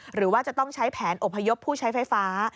หรือว่าจะต้องใช้แผนอพยพผู้ใช้ไฟฟ้า